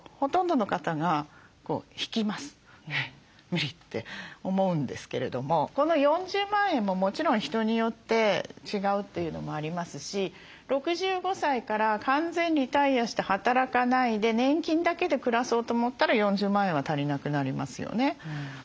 無理って思うんですけれどもこの４０万円ももちろん人によって違うというのもありますし６５歳から完全リタイアして働かないで年金だけで暮らそうと思ったら４０万円は足りなくなりますよね。